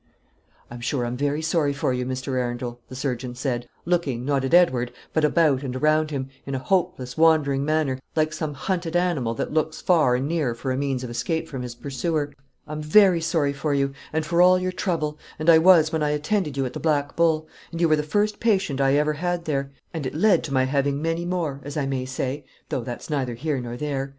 "I'm sure I'm very sorry for you, Mr. Arundel," the surgeon said, looking, not at Edward, but about and around him, in a hopeless, wandering manner, like some hunted animal that looks far and near for a means of escape from his pursuer, "I'm very sorry for you and for all your trouble and I was when I attended you at the Black Bull and you were the first patient I ever had there and it led to my having many more as I may say though that's neither here nor there.